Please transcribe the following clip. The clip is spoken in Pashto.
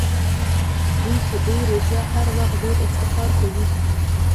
دوی په دې روحیه هر وخت ډېر افتخار کوي.